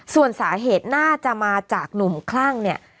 ส่วนสาเหตุน่าจะมาจากหนุ่มคลั่งเนี่ย